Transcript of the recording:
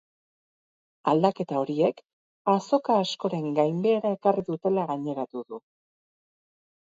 Aldaketa horiek azoka askoren ganbehera ekarri dutela gaineratu du.